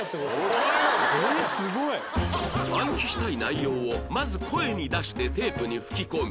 暗記したい内容をまず声に出してテープに吹き込み